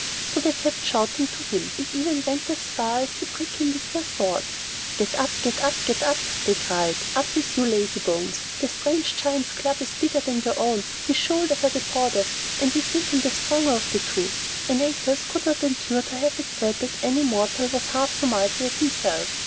So they kept shouting to him, and even went so far as to prick him with their swords. "Get up, get up, get up," they cried. "Up with you, lazy bones! The strange Giant's club is bigger than your own, his shoulders are the broadest, and we think him the stronger of the two." Antaeus could not endure to have it said that any mortal was half so mighty as himself.